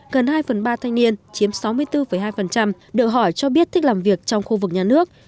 gần hai phần ba thanh niên chiếm sáu mươi bốn hai được hỏi cho biết thích làm việc trong khu vực nhà nước